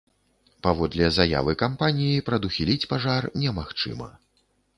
Паводле заявы кампаніі, прадухіліць пажар немагчыма.